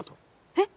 えっ？